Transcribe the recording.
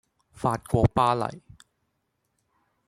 法國巴黎